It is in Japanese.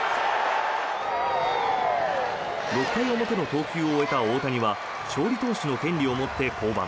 ６回表の投球を終えた大谷は勝利投手の権利を持って降板。